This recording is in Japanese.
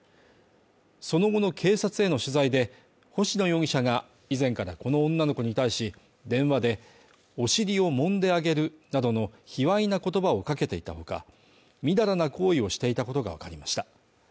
その後の警察への取材で星野容疑者が以前からこの女の子に対し、電話でお尻をもんであげるなどの卑猥な言葉をかけていた他、みだらな行為をしていたことがわかりました。